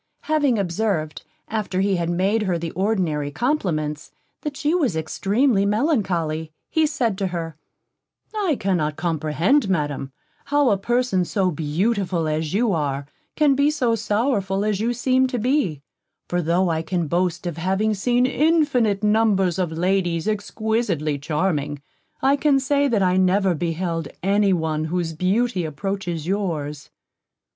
Having observed, after he had made her the ordinary compliments, that she was extremely melancholy, he said to her: "I cannot comprehend, Madam, how a person so beautiful as you are, can be so sorrowful as you seem to be; for tho' I can boast of having seen infinite numbers of ladies exquisitely charming, I can say that I never beheld any one whose beauty approaches yours."